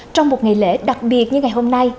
trong một ngày lễ đặc biệt như ngày hôm nay